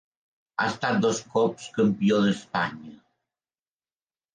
Ha estat dos cops Campió d'Espanya.